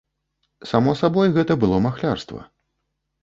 Само сабой, гэта было махлярства.